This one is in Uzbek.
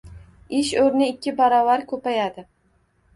Ish o‘rni ikki barobar ko‘payadi